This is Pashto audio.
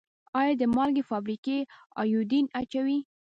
آیا د مالګې فابریکې ایوډین اچوي؟